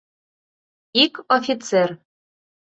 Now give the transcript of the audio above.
Ик офицер.